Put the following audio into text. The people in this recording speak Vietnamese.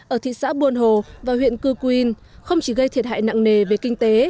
ở thị xã buôn hồ và huyện cư quyên không chỉ gây thiệt hại nặng nề về kinh tế